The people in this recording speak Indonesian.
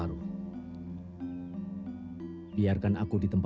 saya akan melayani kalian semua